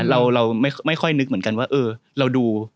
เราไม่ค่อยนึกเหมือนกันว่าเราดู